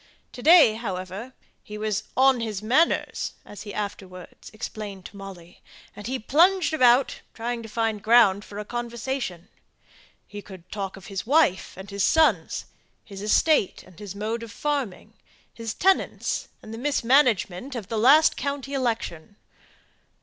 To day, however, he was "on his manners," as he afterwards explained to Molly; and he plunged about, trying to find ground for a conversation. He could talk of his wife and his sons, his estate, and his mode of farming; his tenants, and the mismanagement of the last county election.